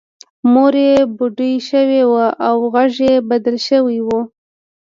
مور یې بوډۍ شوې وه او غږ یې بدل شوی و